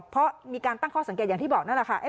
เพราะมีการตั้งข้อสังเกตอย่างที่บอกนั่นแหละค่ะ